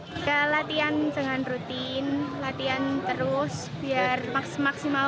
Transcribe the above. kita latihan dengan rutin latihan terus biar maksimal mungkin untuk